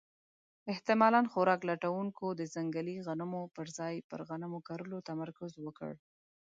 احتمالاً خوراک لټونکو د ځنګلي غنمو پر ځای پر غنمو کرلو تمرکز وکړ.